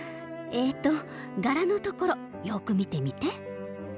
えっと柄のところよく見てみて。